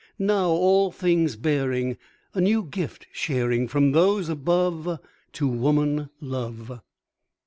Now, all things bearing, A new gift sharing From those above To woman, love.